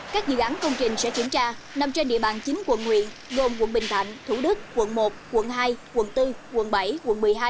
các dự án công trình sẽ kiểm tra nằm trên địa bàn chín quận nguyện gồm quận bình thạnh thủ đức quận một quận hai quận bốn quận bảy quận một mươi hai